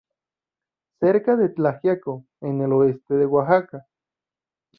Cerca de Tlaxiaco, en el oeste de Oaxaca.